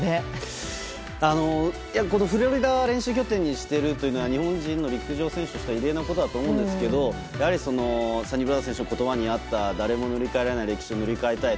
フロリダを練習拠点にしているというのは日本人の陸上選手としては異例なことだと思うんですけどやはり、サニブラウン選手の言葉にあった誰も塗り替えられない歴史を塗り替えたい。